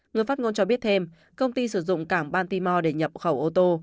người phát ngôn cho biết thêm công ty sử dụng cảng bantimo để nhập khẩu ô tô